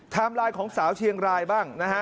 ไลน์ของสาวเชียงรายบ้างนะฮะ